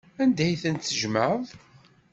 Anda ay tent-tjemɛeḍ?